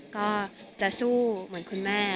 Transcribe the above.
ก็จะสู้เหมือนคุณแม่